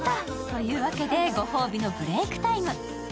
というわけでご褒美のブレイクタイム。